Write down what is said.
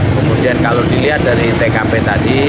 kemudian kalau dilihat dari tkp tadi